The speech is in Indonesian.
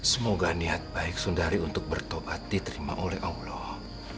semoga niat baik sundari untuk bertobat diterima oleh allah